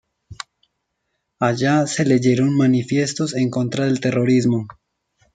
Allá se leyeron manifiestos en contra del terrorismo.